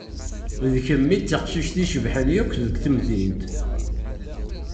D kemm i d taqcict i icebḥen akk g temdint.